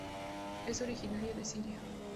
Es originaria de Siria.